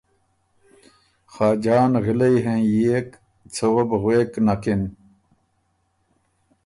خاجان غِلئ هېںئېک څه وه بو غوېک نکِن